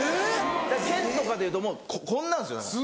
だから剣とかでいうともうこんなんですよだから。